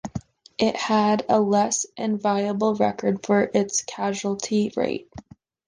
It had a less enviable record for its casualty rate.